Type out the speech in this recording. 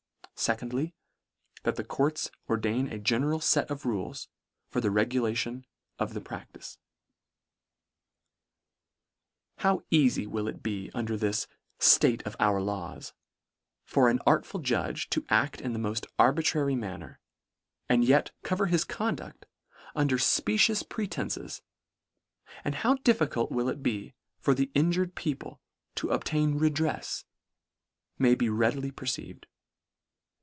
Se condly, that the courts ordain a general fet of rules for the regulation of the practice." How ealy will it be under this " Slate of " our laws" for an artful judge to act in the moSt arbitrary manner, and yet cover his conduct under fpecious pretences, and how difficult will it be for the injured people to obtain redrefs, may be readily perceived.